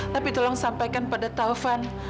tapi tolong sampaikan pada taufan